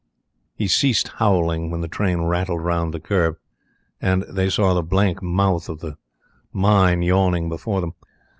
"He ceased howling when the train rattled round the curve and they saw the black mouth of the mine yawning before them.